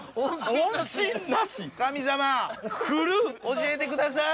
教えてください！